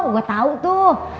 gua tau tuh